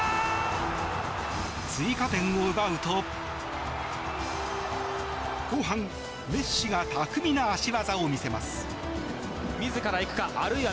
追加点を奪うと、後半メッシが巧みな足技を見せます。